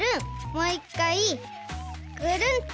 もういっかいグルンと。